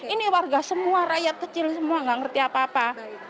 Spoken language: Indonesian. ini warga semua rakyat kecil semua nggak ngerti apa apa